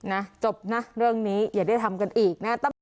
นะจบนะเรื่องนี้อย่าได้ทำกันอีกนะ